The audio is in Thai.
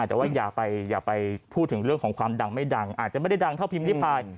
แต่ว่าอย่าไปพูดถึงเรื่องของความดังไม่ดังอาจจะไม่ได้ดังเท่าพิมพิพาย